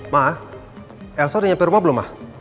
ma elsa udah nyampe rumah belum ma